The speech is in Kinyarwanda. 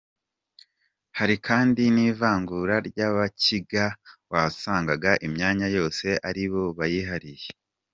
Hari kandi n’ivangura ry’Abakiga wasangaga imyanya yose ari bo bayihabwa.